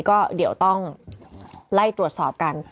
ก็เดี๋ยวต้องไล่ตรวจสอบกัน